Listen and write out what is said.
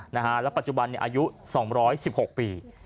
แล้วปัจจุบันอายุ๒๑๖ปี